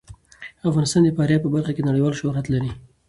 افغانستان د فاریاب په برخه کې نړیوال شهرت لري.